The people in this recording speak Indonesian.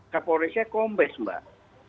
pak polri saya kompes mbak